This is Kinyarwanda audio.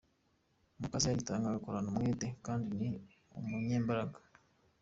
Mu kazi aritanga akagakorana umwete kandi ni umunyembaraga.